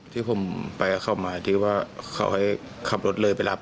ที่ผมไปกับเขามาที่ว่าเขาให้ขับรถเลยไปรับ